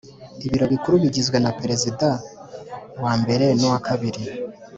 Ibiro Bikuru bigizwe naperezida wa mbere nuwa kabiri